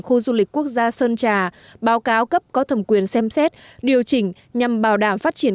khu du lịch quốc gia sơn trà báo cáo cấp có thẩm quyền xem xét điều chỉnh nhằm bảo đảm phát triển